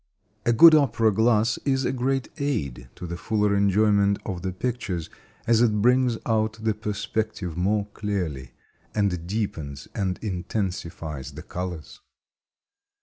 A good opera glass is a great aid to the fuller enjoyment of the pictures, as it brings out the perspective more clearly, and deepens and intensifies the colors.